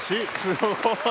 すごい！